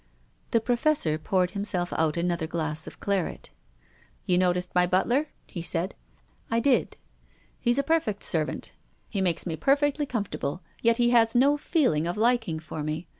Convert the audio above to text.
The Professor poured himself out another glass of claret. " You noticed my butler ?" he said. " I did." " He's a perfect servant. He makes me per fectly comfortable. Yet li' lias no feeling of liking for me.